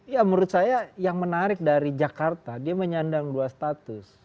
ya menurut saya yang menarik dari jakarta dia menyandang dua status